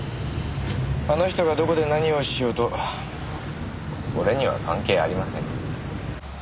あの人がどこで何をしようと俺には関係ありません。